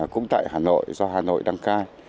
cũng tại hà nội do hà nội đăng cai